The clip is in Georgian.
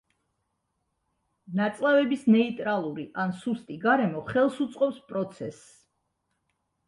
ნაწლავების ნეიტრალური ან სუსტი გარემო ხელს უწყობს პროცესს.